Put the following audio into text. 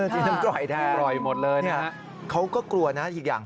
กินน้ำกร่อยแทนนะครับเขาก็กลัวนะอีกอย่าง